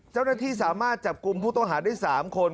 เจ้าหน้าที่สามารถจับกลุ่มผู้ต้องหาได้๓คน